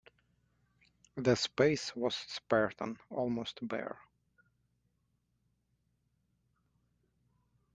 The space was spartan, almost bare.